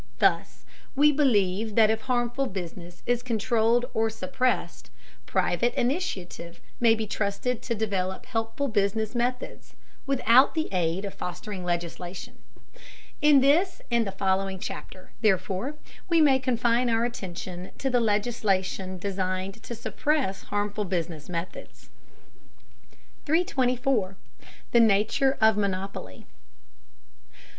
Thus we believe that if harmful business is controlled or suppressed, private initiative may be trusted to develop helpful business methods, without the aid of fostering legislation. In this and the following chapter, therefore, we may confine our attention to legislation designed to suppress harmful business methods. 324. THE NATURE OF MONOPOLY.